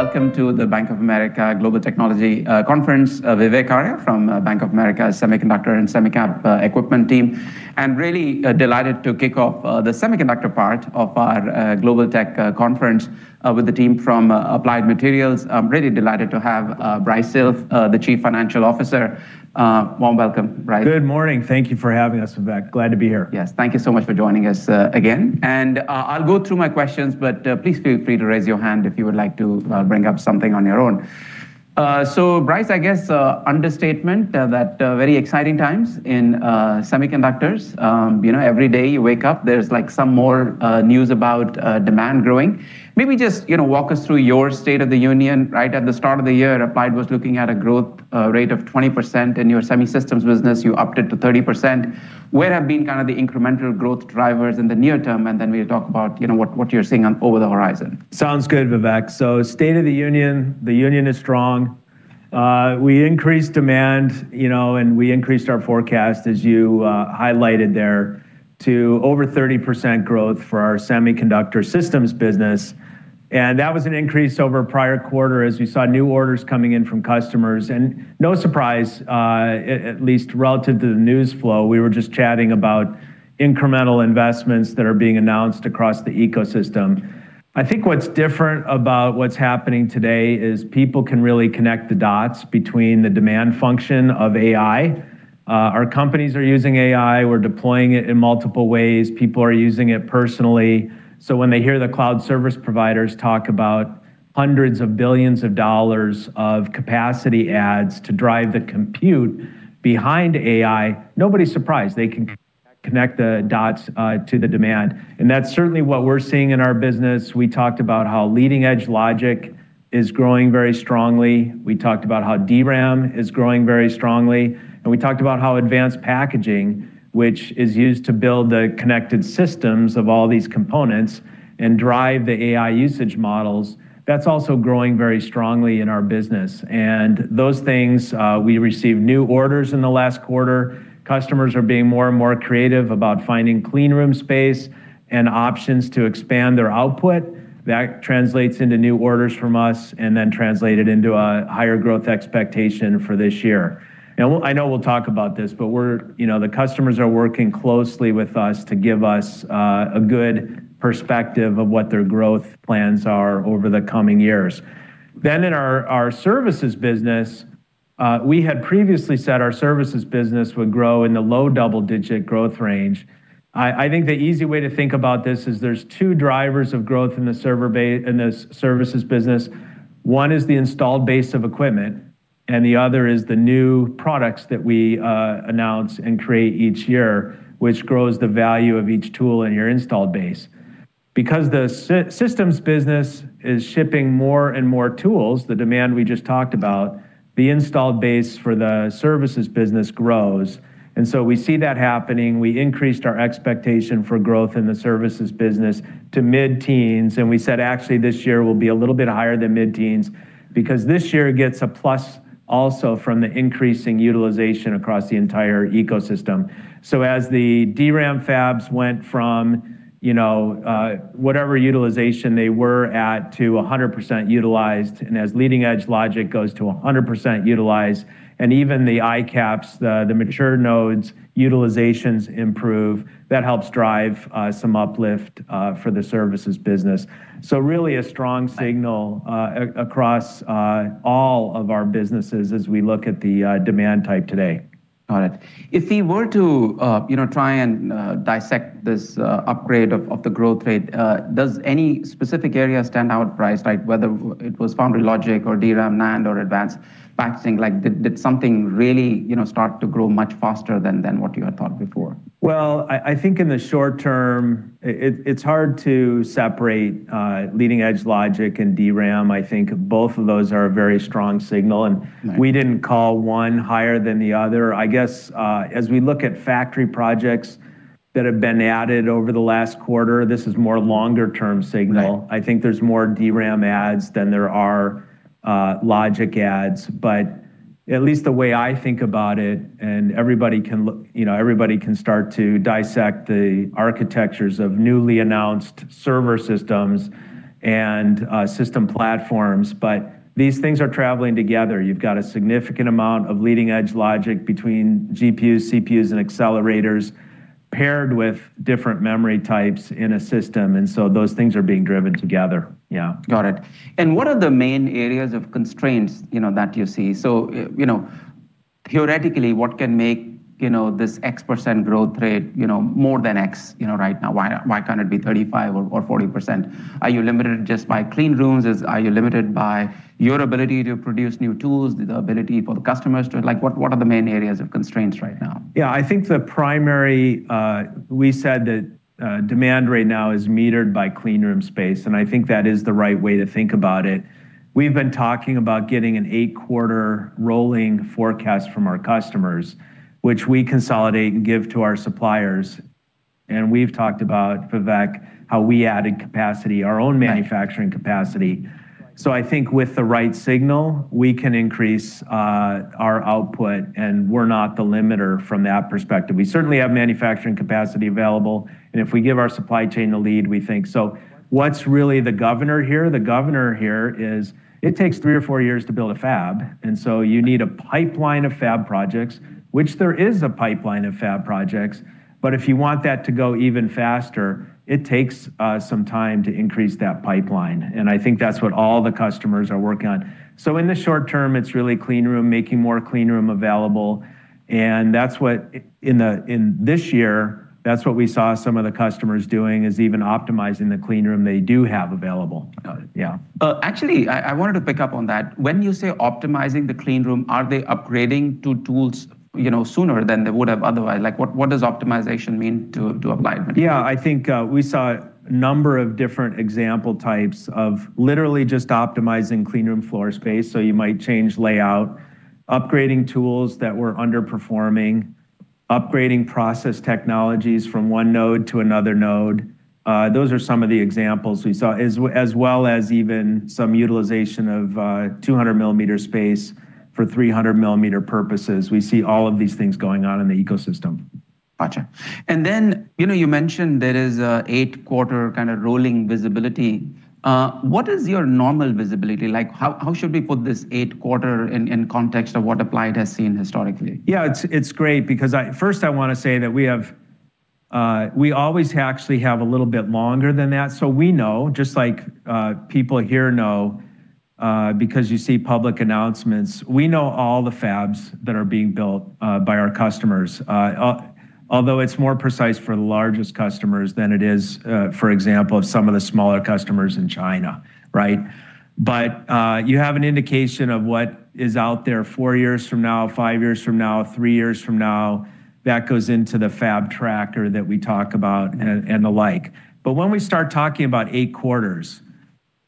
Welcome to the Bank of America Global Technology Conference. Vivek Arya from Bank of America Semiconductor and Semi Cap Equipment team, and really delighted to kick off the semiconductor part of our global tech conference with the team from Applied Materials. I'm really delighted to have Brice Hill, the Chief Financial Officer. Warm welcome, Brice. Good morning. Thank you for having us, Vivek. Glad to be here. Yes, thank you so much for joining us again. I'll go through my questions, but please feel free to raise your hand if you would like to bring up something on your own. Brice, I guess, understatement that very exciting times in semiconductors. Every day you wake up, there's some more news about demand growing. Maybe just walk us through your state of the union. Right at the start of the year, Applied was looking at a growth rate of 20% in your semi systems business. You upped it to 30%. Where have been kind of the incremental growth drivers in the near term? Then we'll talk about what you're seeing over the horizon. Sounds good, Vivek. State of the union, the union is strong. We increased demand, and we increased our forecast, as you highlighted there, to over 30% growth for our semiconductor systems business. That was an increase over prior quarter as we saw new orders coming in from customers. No surprise, at least relative to the news flow, we were just chatting about incremental investments that are being announced across the ecosystem. I think what's different about what's happening today is people can really connect the dots between the demand function of AI. Our companies are using AI. We're deploying it in multiple ways. People are using it personally. When they hear the cloud service providers talk about hundreds of billions of dollars of capacity adds to drive the compute behind AI, nobody's surprised. They can connect the dots to the demand, and that's certainly what we're seeing in our business. We talked about how leading edge logic is growing very strongly. We talked about how DRAM is growing very strongly, and we talked about how advanced packaging, which is used to build the connected systems of all these components and drive the AI usage models, that's also growing very strongly in our business. Those things, we received new orders in the last quarter. Customers are being more and more creative about finding clean room space and options to expand their output. That translates into new orders from us, and then translated into a higher growth expectation for this year. I know we'll talk about this, but the customers are working closely with us to give us a good perspective of what their growth plans are over the coming years. In our services business, we had previously said our services business would grow in the low double-digit growth range. I think the easy way to think about this is there's two drivers of growth in the services business. One is the installed base of equipment, and the other is the new products that we announce and create each year, which grows the value of each tool in your installed base. Because the systems business is shipping more and more tools, the demand we just talked about, the installed base for the services business grows. We see that happening. We increased our expectation for growth in the services business to mid-teens, and we said actually this year will be a little bit higher than mid-teens because this year gets a plus also from the increasing utilization across the entire ecosystem. As the DRAM fabs went from whatever utilization they were at to 100% utilized, and as leading edge logic goes to 100% utilized, and even the ICAPS, the mature nodes utilizations improve, that helps drive some uplift for the services business. Really a strong signal across all of our businesses as we look at the demand type today. Got it. If we were to try and dissect this upgrade of the growth rate, does any specific area stand out, Brice? Whether it was foundry logic or DRAM, NAND or advanced packaging, did something really start to grow much faster than what you had thought before? Well, I think in the short term it's hard to separate leading edge logic and DRAM. I think both of those are a very strong signal, and we didn't call one higher than the other. I guess as we look at factory projects that have been added over the last quarter, this is more longer-term signal. Right. I think there's more DRAM adds than there are logic adds, but at least the way I think about it and everybody can start to dissect the architectures of newly announced server systems and system platforms. These things are traveling together. You've got a significant amount of leading-edge logic between GPUs, CPUs, and accelerators paired with different memory types in a system. Those things are being driven together. Yeah. Got it. What are the main areas of constraints that you see? Theoretically, what can make this X percent growth rate more than X right now? Why can't it be 35% or 40%? Are you limited just by clean rooms? Are you limited by your ability to produce new tools? What are the main areas of constraints right now? Yeah, I think the primary, we said that demand right now is metered by clean room space, and I think that is the right way to think about it. We've been talking about getting an eight-quarter rolling forecast from our customers, which we consolidate and give to our suppliers. We've talked about, Vivek, how we added capacity, our own manufacturing capacity. I think with the right signal, we can increase our output, and we're not the limiter from that perspective. We certainly have manufacturing capacity available, and if we give our supply chain the lead, we think. What's really the governor here? The governor here is it takes three or four years to build a fab, and so you need a pipeline of fab projects, which there is a pipeline of fab projects, but if you want that to go even faster, it takes some time to increase that pipeline. I think that's what all the customers are working on. In the short term, it's really clean room, making more clean room available, and in this year, that's what we saw some of the customers doing, is even optimizing the clean room they do have available. Got it. Yeah. Actually, I wanted to pick up on that. When you say optimizing the clean room, are they upgrading to tools sooner than they would have otherwise? What does optimization mean to Applied? Yeah, I think we saw a number of different example types of literally just optimizing cleanroom floor space. You might change layout, upgrading tools that were underperforming, upgrading process technologies from one node to another node. Those are some of the examples we saw. As well as even some utilization of 200 millimeter space for 300 millimeter purposes. We see all of these things going on in the ecosystem. Got you. Then, you mentioned there is a eight-quarter kind of rolling visibility. What is your normal visibility? How should we put this eight quarter in context of what Applied has seen historically? It's great because, first, I want to say that we always actually have a little bit longer than that. We know, just like people here know, because you see public announcements, we know all the fabs that are being built by our customers. Although it's more precise for the largest customers than it is, for example, some of the smaller customers in China. You have an indication of what is out there four years from now, five years from now, three years from now. That goes into the fab tracker that we talk about and the like. When we start talking about eight quarters,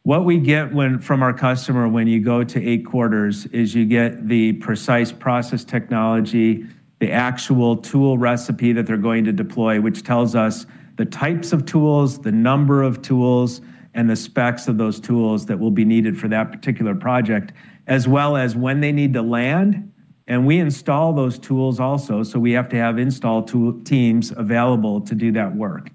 what we get from our customer when you go to eight quarters is you get the precise process technology, the actual tool recipe that they're going to deploy, which tells us the types of tools, the number of tools, and the specs of those tools that will be needed for that particular project, as well as when they need to land. We install those tools also, so we have to have install teams available to do that work.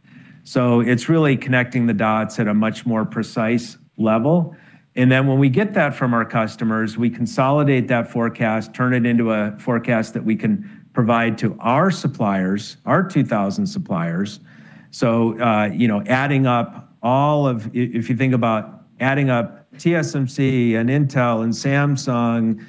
It's really connecting the dots at a much more precise level. When we get that from our customers, we consolidate that forecast, turn it into a forecast that we can provide to our suppliers, our 2,000 suppliers. If you think about adding up TSMC and Intel and Samsung,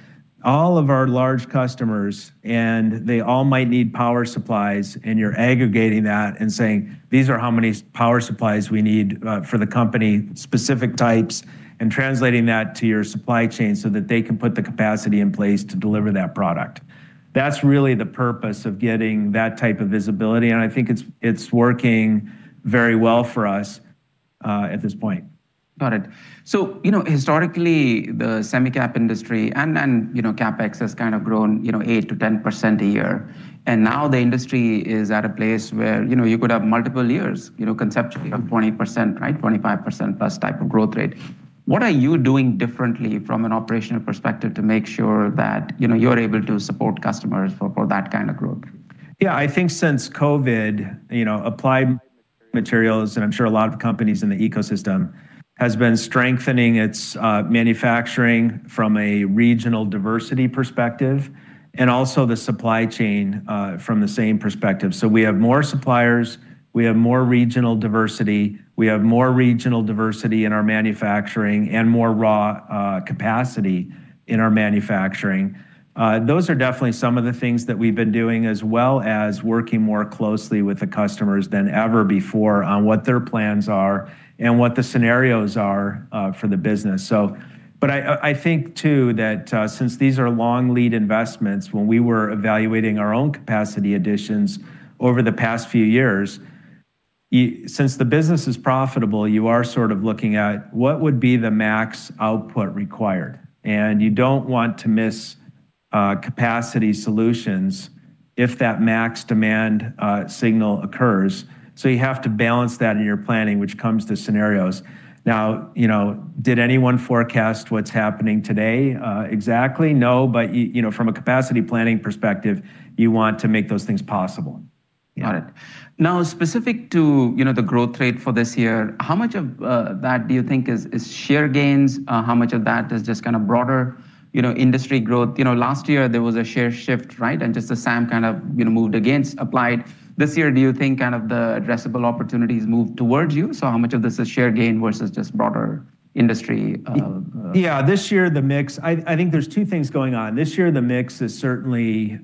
all of our large customers, and they all might need power supplies, and you're aggregating that and saying, "These are how many power supplies we need for the company, specific types," and translating that to your supply chain so that they can put the capacity in place to deliver that product. That's really the purpose of getting that type of visibility, and I think it's working very well for us at this point. Got it. Historically, the semicap industry and CapEx has kind of grown 8%-10% a year, and now the industry is at a place where you could have multiple years, conceptually, of 20%, 25%+ type of growth rate. What are you doing differently from an operational perspective to make sure that you're able to support customers for that kind of growth? I think since COVID, Applied Materials, and I'm sure a lot of companies in the ecosystem, has been strengthening its manufacturing from a regional diversity perspective and also the supply chain from the same perspective. We have more suppliers, we have more regional diversity, we have more regional diversity in our manufacturing and more raw capacity in our manufacturing. Those are definitely some of the things that we've been doing, as well as working more closely with the customers than ever before on what their plans are and what the scenarios are for the business. I think, too, that since these are long lead investments, when we were evaluating our own capacity additions over the past few years, since the business is profitable, you are sort of looking at what would be the max output required. You don't want to miss capacity solutions if that max demand signal occurs. You have to balance that in your planning, which comes to scenarios. Did anyone forecast what's happening today exactly? No. From a capacity planning perspective, you want to make those things possible. Got it. Specific to the growth rate for this year, how much of that do you think is share gains? How much of that is just kind of broader industry growth? Last year, there was a share shift and just as Samsung kind of moved against Applied. This year, do you think kind of the addressable opportunities moved towards you? How much of this is share gain versus just broader industry? Yeah. I think there's two things going on. This year, the mix is certainly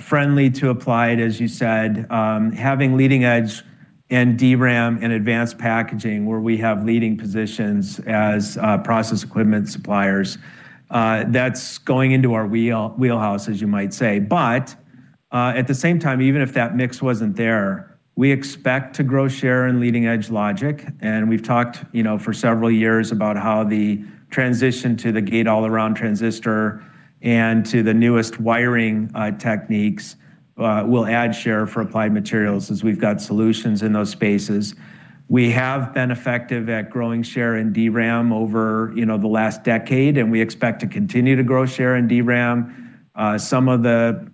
friendly to Applied, as you said. Having leading edge and DRAM and advanced packaging where we have leading positions as process equipment suppliers, that's going into our wheelhouse, as you might say. At the same time, even if that mix wasn't there, we expect to grow share in leading-edge logic, and we've talked for several years about how the transition to the gate-all-around transistor and to the newest wiring techniques will add share for Applied Materials, as we've got solutions in those spaces. We have been effective at growing share in DRAM over the last decade, and we expect to continue to grow share in DRAM. Some of the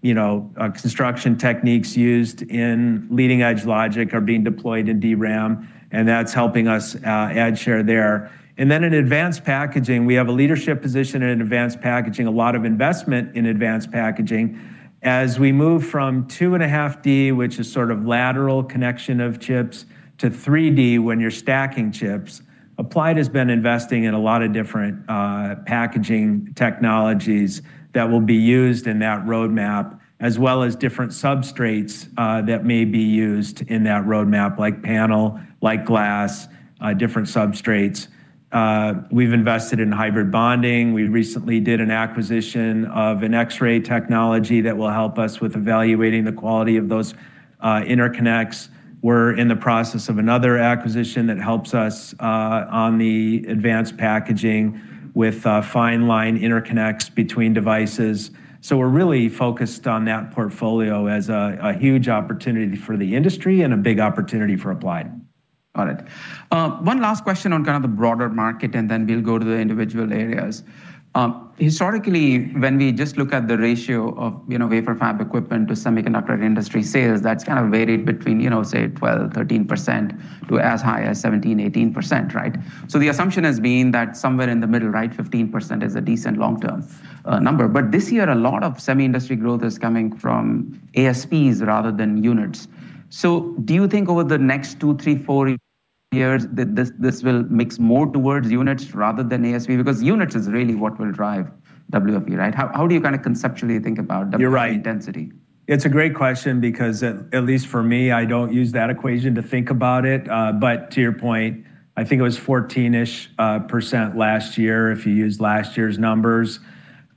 construction techniques used in leading-edge logic are being deployed in DRAM, and that's helping us add share there. In advanced packaging, we have a leadership position in advanced packaging, a lot of investment in advanced packaging. As we move from 2.5D, which is sort of lateral connection of chips, to 3D, when you're stacking chips, Applied has been investing in a lot of different packaging technologies that will be used in that roadmap, as well as different substrates that may be used in that roadmap, like panel, like glass, different substrates. We've invested in hybrid bonding. We recently did an acquisition of an X-ray technology that will help us with evaluating the quality of those interconnects. We're in the process of another acquisition that helps us on the advanced packaging with fine line interconnects between devices. We're really focused on that portfolio as a huge opportunity for the industry and a big opportunity for Applied. Got it. One last question on kind of the broader market, and then we'll go to the individual areas. Historically, when we just look at the ratio of wafer fab equipment to semiconductor industry sales, that's kind of varied between, say 12%, 13% to as high as 17%, 18%, right? The assumption has been that somewhere in the middle, 15% is a decent long-term number. This year, a lot of semi industry growth is coming from ASPs rather than units. Do you think over the next two, three, four years that this will mix more towards units rather than ASP, because units is really what will drive WFE, right? How do you kind of conceptually think about- You're right. Intensity? It's a great question because, at least for me, I don't use that equation to think about it. To your point, I think it was 14-ish% last year, if you used last year's numbers.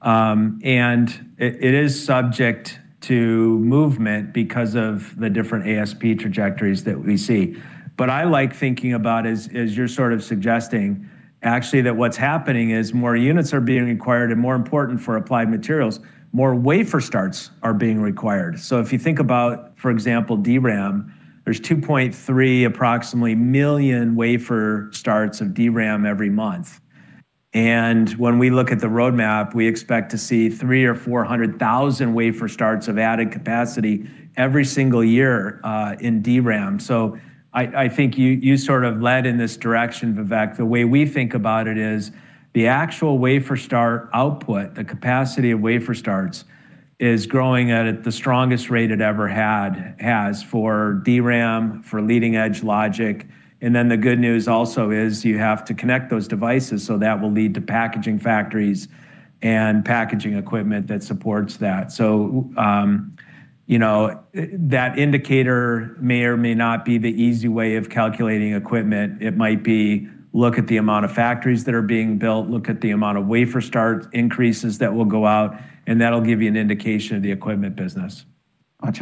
It is subject to movement because of the different ASP trajectories that we see. I like thinking about, as you're sort of suggesting, actually, that what's happening is more units are being acquired and more important for Applied Materials, more wafer starts are being required. If you think about, for example, DRAM, there's 2.3 approximately million wafer starts of DRAM every month. When we look at the roadmap, we expect to see 300,000 or 400,000 wafer starts of added capacity every single year in DRAM. I think you sort of led in this direction, Vivek. The way we think about it is the actual wafer start output, the capacity of wafer starts, is growing at the strongest rate it ever has for DRAM, for leading-edge logic. The good news also is you have to connect those devices, that will lead to packaging factories and packaging equipment that supports that. That indicator may or may not be the easy way of calculating equipment. It might be look at the amount of factories that are being built, look at the amount of wafer start increases that will go out, that'll give you an indication of the equipment business. Got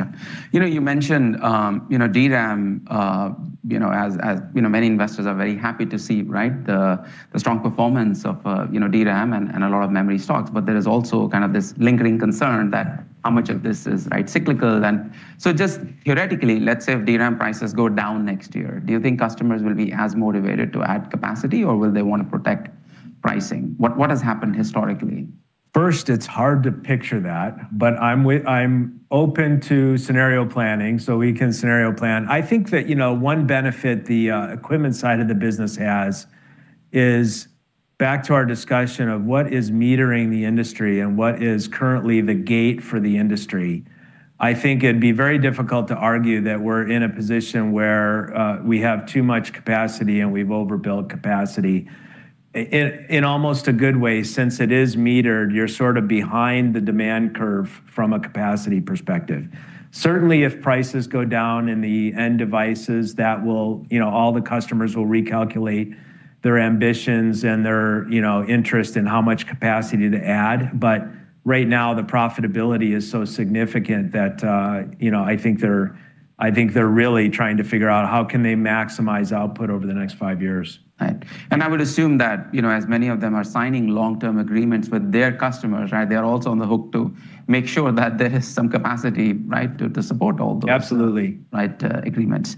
you. You mentioned DRAM, as many investors are very happy to see the strong performance of DRAM and a lot of memory stocks. There is also kind of this lingering concern that how much of this is cyclical and just theoretically, let's say if DRAM prices go down next year, do you think customers will be as motivated to add capacity, or will they want to protect pricing? What has happened historically? First, it's hard to picture that, but I'm open to scenario planning, so we can scenario plan. I think that one benefit the equipment side of the business has is back to our discussion of what is metering the industry and what is currently the gate for the industry. I think it'd be very difficult to argue that we're in a position where we have too much capacity and we've overbuilt capacity. In almost a good way, since it is metered, you're sort of behind the demand curve from a capacity perspective. Certainly, if prices go down in the end devices, all the customers will recalculate their ambitions and their interest in how much capacity to add. Right now, the profitability is so significant that I think they're really trying to figure out how can they maximize output over the next five years. Right. I would assume that as many of them are signing long-term agreements with their customers, they're also on the hook to make sure that there is some capacity to support all those. Absolutely agreements.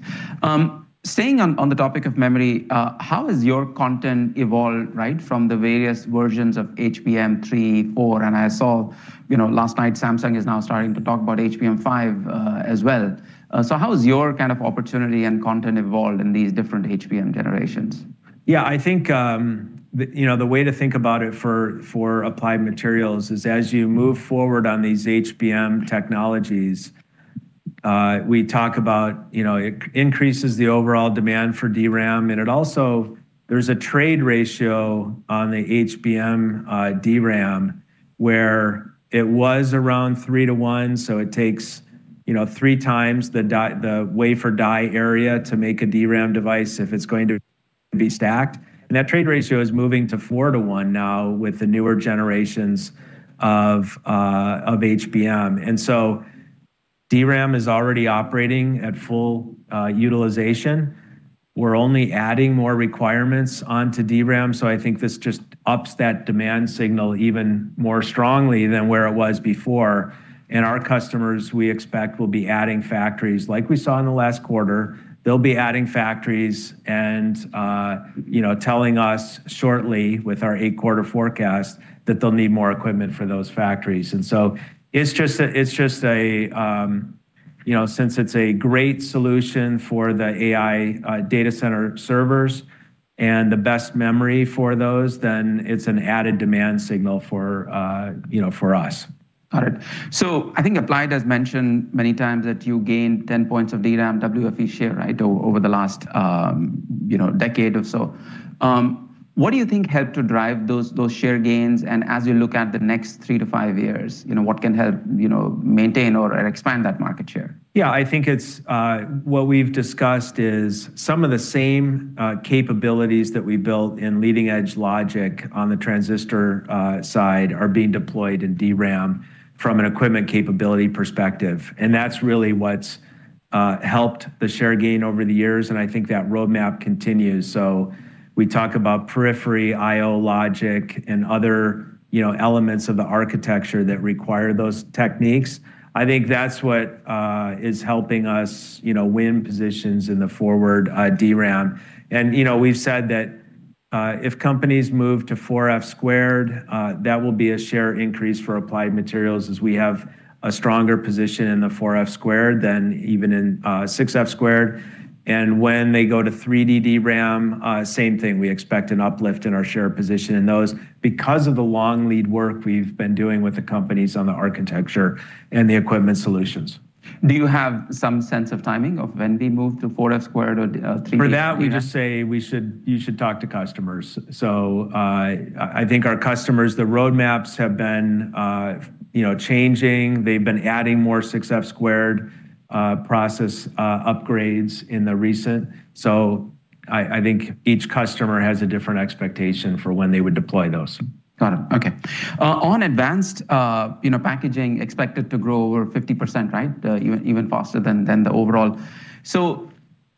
Staying on the topic of memory, how has your content evolved from the various versions of HBM3, 4, and I saw last night Samsung is now starting to talk about HBM5 as well. How has your kind of opportunity and content evolved in these different HBM generations? Yeah, I think the way to think about it for Applied Materials is as you move forward on these HBM technologies, we talk about it increases the overall demand for DRAM, and also there's a trade ratio on the HBM DRAM where it was around 3:1, so it takes three times the wafer die area to make a DRAM device if it's going to be stacked. That trade ratio is moving to 4:1 now with the newer generations of HBM. DRAM is already operating at full utilization. We're only adding more requirements onto DRAM, so I think this just ups that demand signal even more strongly than where it was before. Our customers, we expect, will be adding factories like we saw in the last quarter. They'll be adding factories and telling us shortly with our eight-quarter forecast that they'll need more equipment for those factories. Since it's a great solution for the AI data center servers and the best memory for those, then it's an added demand signal for us. Got it. I think Applied has mentioned many times that you gained 10 points of DRAM WFE share over the last decade or so. What do you think helped to drive those share gains? As you look at the next three to five years, what can help maintain or expand that market share? Yeah, I think what we've discussed is some of the same capabilities that we built in leading-edge logic on the transistor side are being deployed in DRAM from an equipment capability perspective, and that's really what's helped the share gain over the years, and I think that roadmap continues. We talk about periphery, I/O logic, and other elements of the architecture that require those techniques. I think that's what is helping us win positions in the forward DRAM. We've said that if companies move to 4F², that will be a share increase for Applied Materials as we have a stronger position in the 4F² than even in 6F². When they go to 3D DRAM, same thing, we expect an uplift in our share position in those because of the long lead work we've been doing with the companies on the architecture and the equipment solutions. Do you have some sense of timing of when we move to 4F² or 3D DRAM? For that, we just say you should talk to customers. I think our customers, the roadmaps have been changing. They've been adding more 6F² process upgrades in the recent, so I think each customer has a different expectation for when they would deploy those. Got it. Okay. On advanced packaging expected to grow over 50%, right? Even faster than the overall.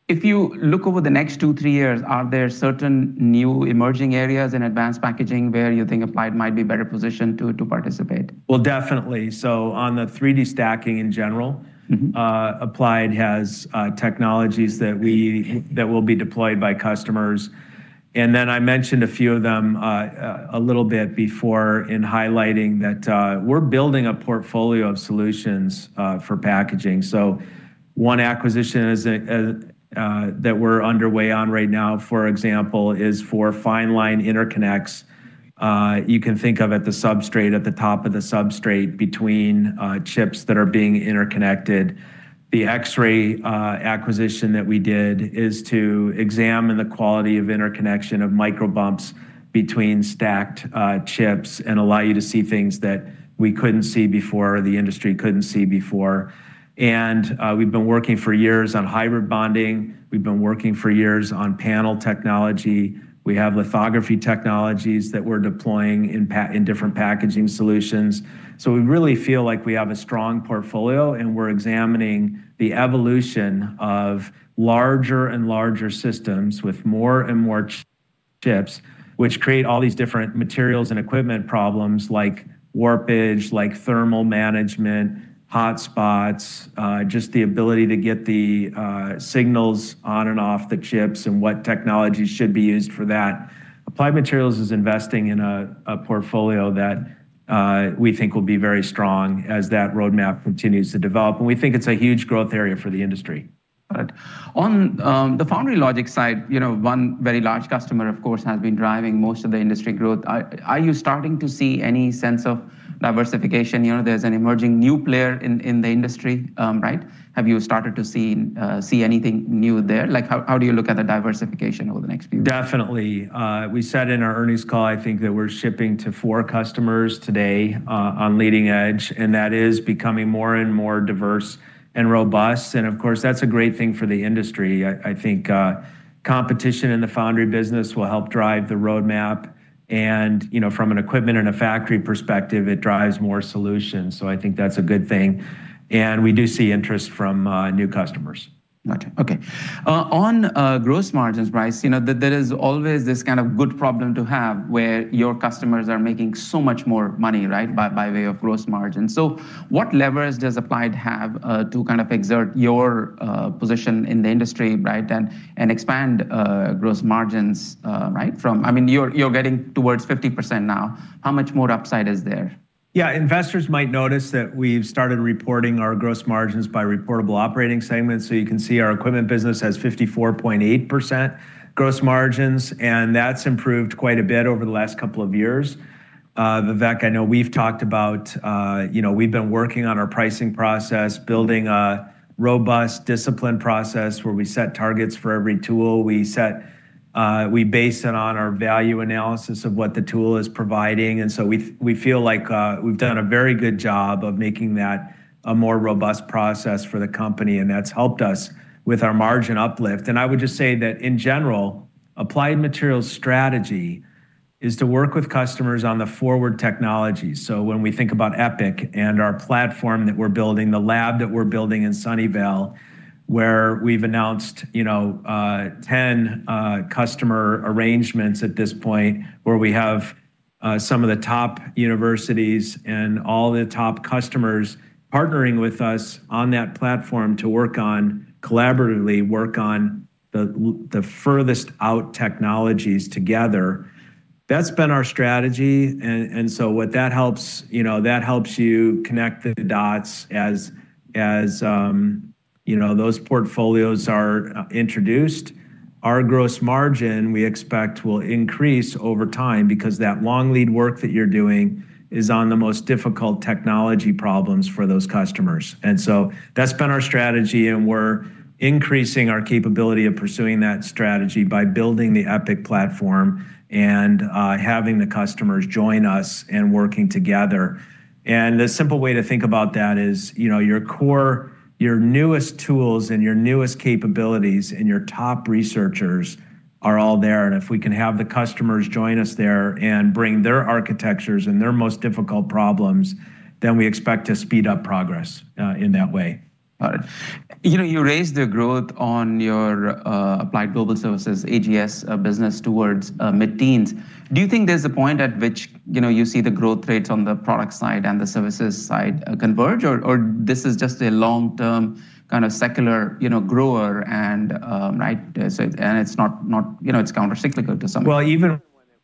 If you look over the next two, three years, are there certain new emerging areas in advanced packaging where you think Applied might be better positioned to participate? Well, definitely. On the 3D stacking in general. Applied has technologies that will be deployed by customers. Then I mentioned a few of them a little bit before in highlighting that we're building a portfolio of solutions for packaging. One acquisition that we're underway on right now, for example, is for fine line interconnects. You can think of at the substrate, at the top of the substrate between chips that are being interconnected. The X-ray acquisition that we did is to examine the quality of interconnection of micro bumps between stacked chips and allow you to see things that we couldn't see before, the industry couldn't see before. We've been working for years on hybrid bonding. We've been working for years on panel technology. We have lithography technologies that we're deploying in different packaging solutions. We really feel like we have a strong portfolio, and we're examining the evolution of larger and larger systems with more and more chips, which create all these different materials and equipment problems like warpage, like thermal management, hotspots, just the ability to get the signals on and off the chips, and what technologies should be used for that. Applied Materials is investing in a portfolio that we think will be very strong as that roadmap continues to develop, and we think it's a huge growth area for the industry. Got it. On the foundry logic side, one very large customer, of course, has been driving most of the industry growth. Are you starting to see any sense of diversification? There's an emerging new player in the industry, right? Have you started to see anything new there? How do you look at the diversification over the next few years? Definitely. We said in our earnings call, I think, that we're shipping to four customers today on leading edge, and that is becoming more and more diverse and robust, and of course, that's a great thing for the industry. I think competition in the foundry business will help drive the roadmap, and from an equipment and a factory perspective, it drives more solutions. I think that's a good thing, and we do see interest from new customers. Okay. On gross margins, Brice, there is always this kind of good problem to have where your customers are making so much more money by way of gross margin. What leverage does Applied have to kind of exert your position in the industry and expand gross margins? You're getting towards 50% now. How much more upside is there? Yeah. Investors might notice that we've started reporting our gross margins by reportable operating segments. You can see our equipment business has 54.8% gross margins, and that's improved quite a bit over the last couple of years. Vivek, I know we've talked about we've been working on our pricing process, building a robust discipline process where we set targets for every tool. We base it on our value analysis of what the tool is providing, and so we feel like we've done a very good job of making that a more robust process for the company, and that's helped us with our margin uplift. I would just say that in general, Applied Materials' strategy is to work with customers on the forward technology. When we think about EPIC and our platform that we're building, the lab that we're building in Sunnyvale, where we've announced 10 customer arrangements at this point, where we have some of the top universities and all the top customers partnering with us on that platform to collaboratively work on the furthest out technologies together. That's been our strategy. What that helps you connect the dots as those portfolios are introduced. Our gross margin, we expect, will increase over time because that long lead work that you're doing is on the most difficult technology problems for those customers. That's been our strategy, and we're increasing our capability of pursuing that strategy by building the EPIC platform and having the customers join us and working together. The simple way to think about that is, your core, your newest tools and your newest capabilities and your top researchers are all there. If we can have the customers join us there and bring their architectures and their most difficult problems, then we expect to speed up progress in that way. Got it. You raised the growth on your Applied Global Services, AGS business towards mid-teens. Do you think there's a point at which you see the growth rates on the product side and the services side converge, or this is just a long-term kind of secular grower and it's counter-cyclical to some extent? Well,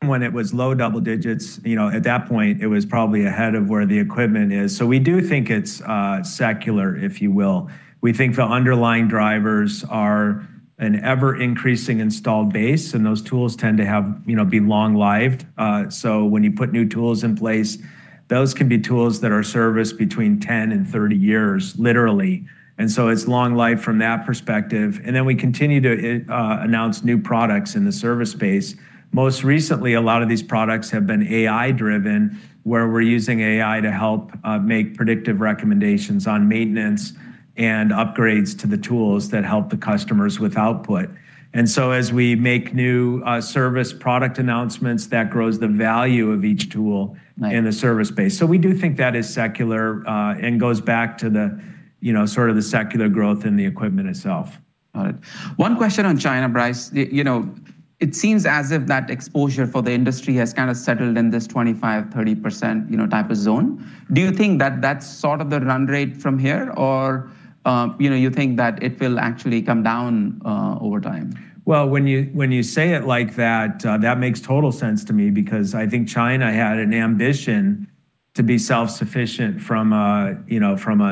even when it was low double digits, at that point, it was probably ahead of where the equipment is. We do think it's secular, if you will. We think the underlying drivers are an ever-increasing installed base, and those tools tend to be long-lived. When you put new tools in place, those can be tools that are serviced between 10 and 30 years, literally. It's long-lived from that perspective. We continue to announce new products in the service space. Most recently, a lot of these products have been AI-driven, where we're using AI to help make predictive recommendations on maintenance and upgrades to the tools that help the customers with output. As we make new service product announcements, that grows the value of each tool. Right in the service space. We do think that is secular, and goes back to the sort of the secular growth in the equipment itself. Got it. One question on China, Brice. It seems as if that exposure for the industry has kind of settled in this 25%-30% type of zone. Do you think that that's sort of the run rate from here, or do you think that it will actually come down over time? Well, when you say it like that makes total sense to me because I think China had an ambition to be self-sufficient from a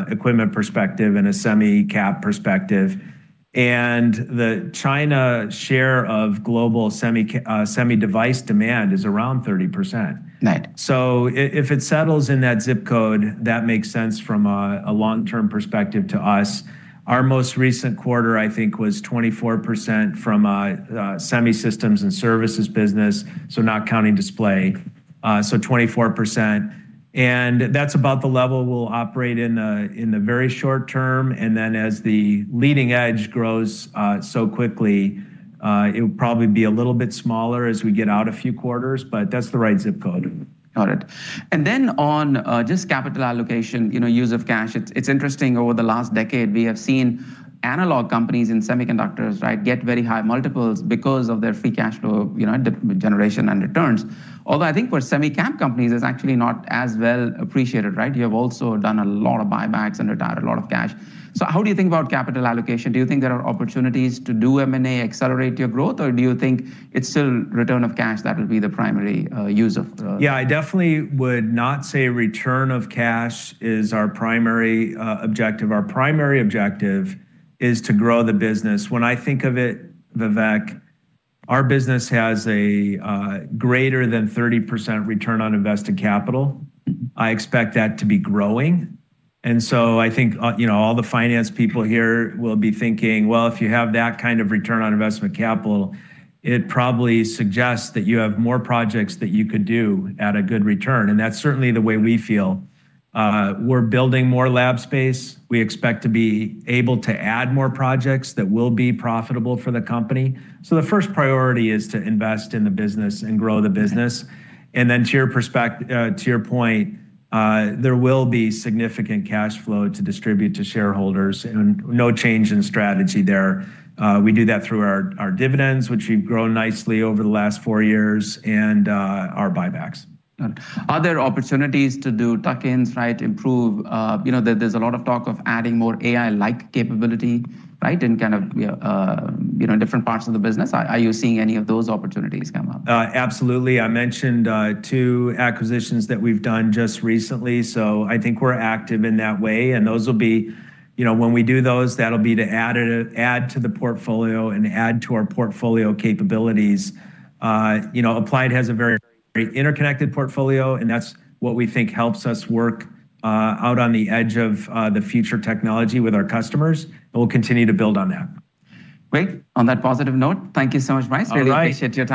equipment perspective and a semi cap perspective. The China share of global semi-device demand is around 30%. Right. If it settles in that zip code, that makes sense from a long-term perspective to us. Our most recent quarter, I think, was 24% from semi systems and services business, so not counting display. 24%. That's about the level we'll operate in the very short term. As the leading edge grows so quickly, it'll probably be a little bit smaller as we get out a few quarters, but that's the right zip code. Got it. On just capital allocation, use of cash. It's interesting, over the last decade, we have seen analog companies in semiconductors get very high multiples because of their free cash flow generation and returns. I think for semi cap companies, it's actually not as well appreciated, right? You have also done a lot of buybacks and retired a lot of cash. How do you think about capital allocation? Do you think there are opportunities to do M&A, accelerate your growth, or do you think it's still return of cash that will be the primary use of- Yeah, I definitely would not say return of cash is our primary objective. Our primary objective is to grow the business. When I think of it, Vivek, our business has a greater than 30% return on invested capital. I expect that to be growing. I think all the finance people here will be thinking, well, if you have that kind of return on investment capital, it probably suggests that you have more projects that you could do at a good return, and that's certainly the way we feel. We're building more lab space. We expect to be able to add more projects that will be profitable for the company. The first priority is to invest in the business and grow the business. To your point, there will be significant cash flow to distribute to shareholders, and no change in strategy there. We do that through our dividends, which we've grown nicely over the last four years, and our buybacks. Are there opportunities to do tuck-ins? There's a lot of talk of adding more AI-like capability in different parts of the business. Are you seeing any of those opportunities come up? Absolutely. I mentioned two acquisitions that we've done just recently, so I think we're active in that way, and when we do those, that'll be to add to the portfolio and add to our portfolio capabilities. Applied has a very interconnected portfolio, and that's what we think helps us work out on the edge of the future technology with our customers, and we'll continue to build on that. Great. On that positive note, thank you so much, Brice. All right. Really appreciate your time.